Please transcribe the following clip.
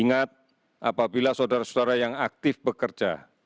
ingat apabila saudara saudara yang aktif bekerja kemudian terinfeksi